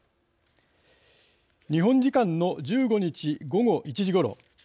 日本時間の１５日、午後１時ごろ